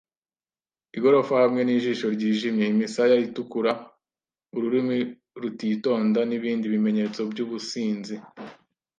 igorofa hamwe nijisho ryijimye, imisaya itukura, ururimi rutitonda, nibindi bimenyetso byubusinzi.